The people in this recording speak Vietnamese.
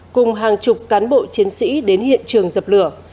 cùng hàng chục cán bộ chiến sĩ đến hiện trường dập lửa